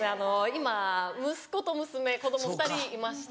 今息子と娘子供２人いまして。